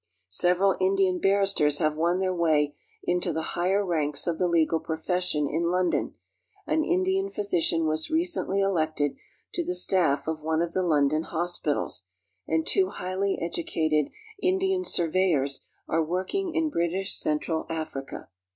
Several Indian barristers have won their way into the higher ranks of the legal profession in London, an Indian physi cian was recently elected to the staff of one of the London hospitals, and two highly educated Indian surveyors are working in British Central Africa.